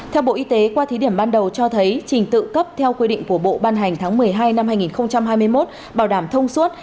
theo bộ y tế qua thí điểm ban đầu cho thấy trình tự cấp theo quy định của bộ ban hành tháng một mươi hai năm hai nghìn hai mươi một bảo đảm thông suốt